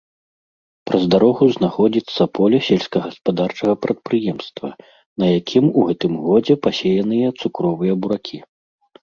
Праз дарогу знаходзіцца поле сельскагаспадарчага прадпрыемства, на якім у гэтым годзе пасеяныя цукровыя буракі.